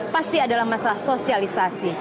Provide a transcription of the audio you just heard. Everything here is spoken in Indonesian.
pasti adalah masalah sosialisasi